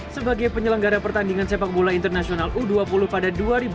sebagai penyelenggara pertandingan sepak bola internasional u dua puluh pada dua ribu dua puluh